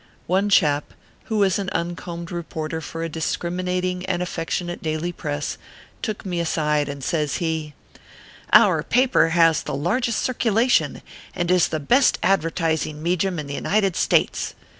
One chap, who was an uncombed reporter for a discriminating and affectionate daily press, took me aside, and says he :" Our paper has the largest circulation, and is the best advertising mejum in the United States.